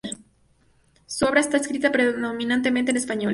Su obra está escrita, predominantemente, en español.